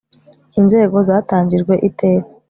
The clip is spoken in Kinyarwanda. Inzego zatangijwe iteka